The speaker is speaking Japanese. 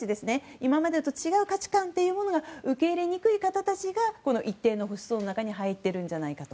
今までと違う価値観というものを受け入れにくい方たちが一定の保守層の中に入っているんじゃないかと。